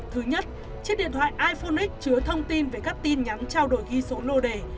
thứ nhất chiếc điện thoại iphone x chứa thông tin về các tin nhắn trao đổi ghi số nô đề